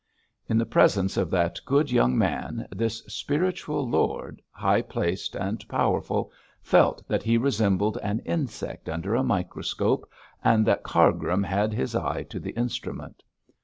In the presence of that good young man, this spiritual lord, high placed and powerful, felt that he resembled an insect under a microscope, and that Cargrim had his eye to the instrument.